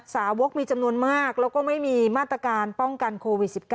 สาวกมีจำนวนมากแล้วก็ไม่มีมาตรการป้องกันโควิด๑๙